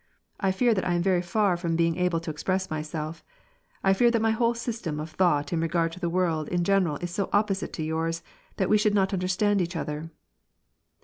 " T fear that I am very far from being able to express myself ; I fear that my whole system of thought in regard to the world in general is so opposite to yours, th«it we should not understand each other."